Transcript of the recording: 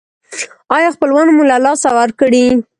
ایا خپلوان مو له لاسه ورکړي؟